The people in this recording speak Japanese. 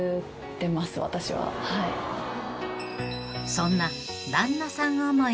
［そんな］